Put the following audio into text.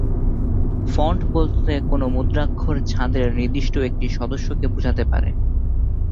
Font বলতে কোন মুদ্রাক্ষর-ছাঁদের নির্দিষ্ট একটি সদস্যকে বোঝাতে পারে।